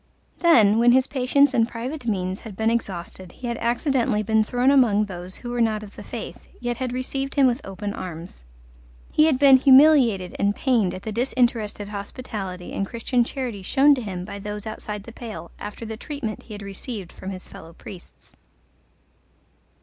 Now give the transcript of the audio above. Then, when his patience and private means had been exhausted, he had accidently been thrown among those who were not of the Faith, yet had received him with open arms. He had been humiliated and pained at the disinterested hospitality and Christian charity shown to him by those outside the pale, after the treatment he had received from his fellow priests.